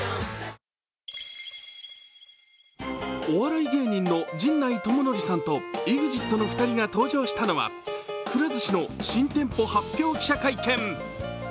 お笑い芸人の陣内智則さんとＥＸＩＴの２人が登場したのはくら寿司の新店舗発表記者会見。